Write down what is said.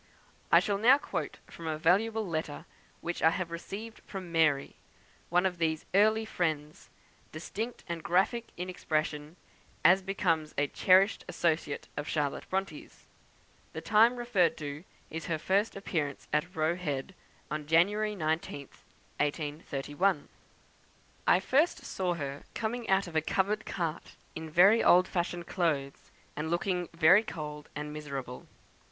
I shall now quote from a valuable letter which I have received from "Mary," one of these early friends; distinct and graphic in expression, as becomes a cherished associate of Charlotte Bronte's. The time referred to is her first appearance at Roe Head, on January 19th, 1831. "I first saw her coming out of a covered cart, in very old fashioned clothes, and looking very cold and miserable.